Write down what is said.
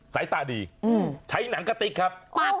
สายตาดีใช้หนังกะติ๊กครับ